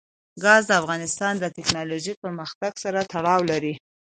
ګاز د افغانستان د تکنالوژۍ پرمختګ سره تړاو لري.